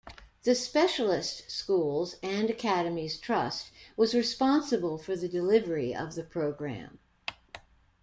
The Specialist Schools and Academies Trust was responsible for the delivery of the programme.